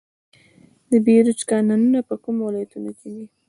د بیروج کانونه په کومو ولایتونو کې دي؟